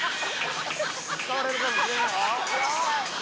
使われるかもしれんよ。